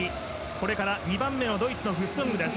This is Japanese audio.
これから２番目のドイツのフッソングです。